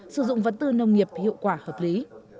sử dụng vật tư nông nghiệp hiệu quả hợp lý